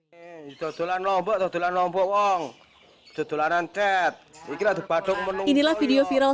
hai tutulan obat obat nombor uang tutulanan cat kita terpadu menunggu inilah video viral